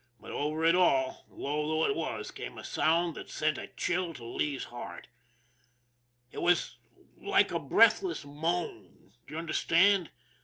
But over it all, low though it was, came a sound that sent a chill to Lee's heart. It was like a breathless moan, do you understand?